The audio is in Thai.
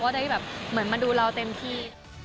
เขาก็ได้เหมือนมาดูเราเต็มที่